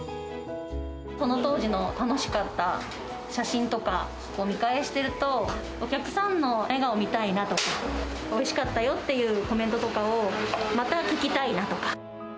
この当時の楽しかった写真とかを見返していると、お客さんの笑顔見たいなとか、おいしかったよっていうコメントとかをまた聞きたいなとか。